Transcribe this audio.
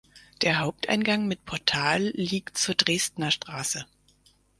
Der Haupteingang mit Portal liegt zur Dresdner Straße.